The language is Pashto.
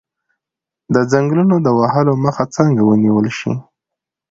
د ځنګلونو د وهلو مخه څنګه ونیول شي؟